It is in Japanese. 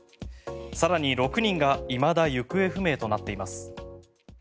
更に６人がいまだ行方不明となっています。